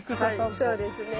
はいそうですね。